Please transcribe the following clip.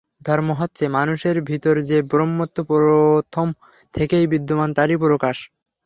ধর্ম হচ্ছে, মানুষের ভিতর যে ব্রহ্মত্ব প্রথম থেকেই বিদ্যমান, তারই প্রকাশ।